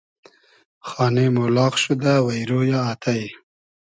خانې مۉ لاغ شودۂ وݷرۉ یۂ آتݷ